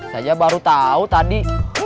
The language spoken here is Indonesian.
saya baru tau tadi